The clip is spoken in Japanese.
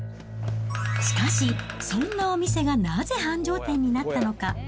しかし、そんなお店がなぜ繁盛店になったのか。